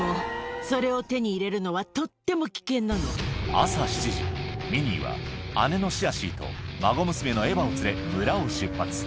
朝７時ミニーは姉のシアシーと孫娘のエバを連れ村を出発